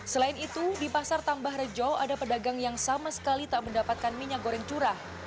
selain itu di pasar tambah rejo ada pedagang yang sama sekali tak mendapatkan minyak goreng curah